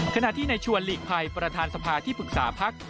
ขณะที่ในชวนหลีกภัยประธานสภาที่ปรึกษาพัก